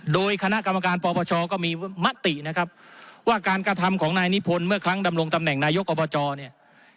โดยคณะกรรมการปปชก็มีมตินะครับว่าการกระทำของนายนิพนธ์เมื่อครั้งดำรงตำแหน่งนายกอบจเนี่ย